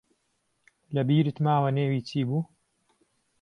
لەبیرت ماوە نێوی چی بوو؟